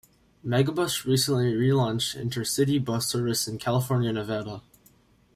Megabus recently relaunched intercity bus service in California and Nevada.